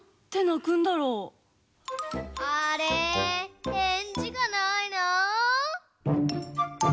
あれへんじがないな。